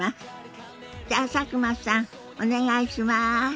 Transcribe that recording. じゃあ佐久間さんお願いします。